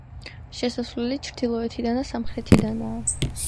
შესასვლელი ჩრდილოეთიდან და სამხრეთიდანაა.